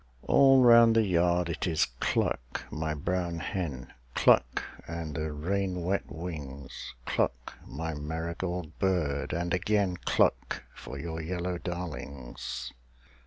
All round the yard it is cluck, my brown hen, Cluck, and the rain wet wings, Cluck, my marigold bird, and again Cluck for your yellow darlings.